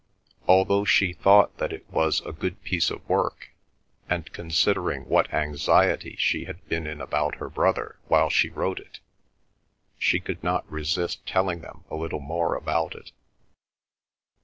Also she thought that it was a good piece of work, and, considering what anxiety she had been in about her brother while she wrote it, she could not resist telling them a little more about it.